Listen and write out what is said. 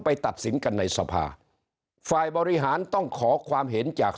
ตัดสินกันในสภาฝ่ายบริหารต้องขอความเห็นจาก